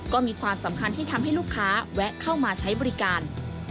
ก็มีความสำคัญที่ทำให้ลูกค้าแวะเข้ามาใช้บริการ